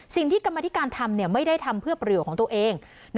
สิ่งที่กรรมธิการทำไม่ได้ทำเพื่อประโยชน์ของตัวเอง